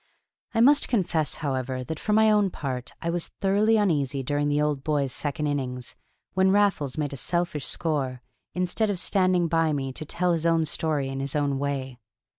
I must confess, however, that for my own part I was thoroughly uneasy during the Old Boys' second innings, when Raffles made a selfish score, instead of standing by me to tell his own story in his own way.